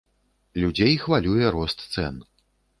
Людзей хвалюе рост цэн.